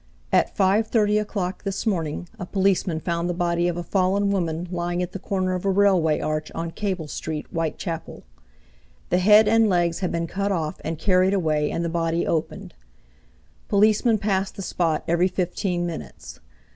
At 5:30 o'clock this morning a policeman found the body of a fallen woman lying at the corner of a railway arch on Cable street, Whitechapel. The head and legs had been cut off and carried away and the body opened. Policemen pass the spot every fifteen minutes.